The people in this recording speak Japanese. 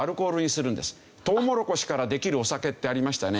トウモロコシからできるお酒ってありましたよね。